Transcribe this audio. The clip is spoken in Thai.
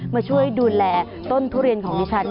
มาช่วยดูแลต้นทุเรียนของดิฉัน